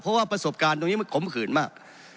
เพราะว่าประสบการณ์ตรงนี้มันขมขืนมาก